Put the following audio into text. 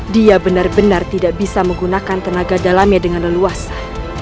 dia benar benar tidak bisa menggunakan tenaga dalamnya dengan leluasa